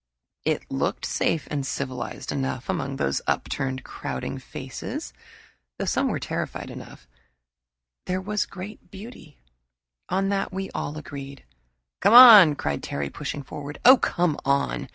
It looked safe and civilized enough, and among those upturned, crowding faces, though some were terrified enough, there was great beauty on that we all agreed. "Come on!" cried Terry, pushing forward. "Oh, come on!